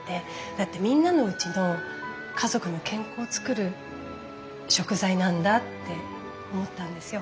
だってみんなのおうちの家族の健康を作る食材なんだって思ったんですよ。